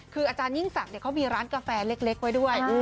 คืออาจารยิ่งศักดิ์เขามีร้านกาแฟเล็กไว้ด้วย